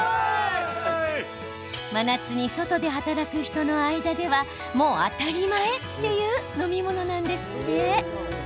真夏に外で働く人の間ではもう当たり前っていう飲み物なんですって。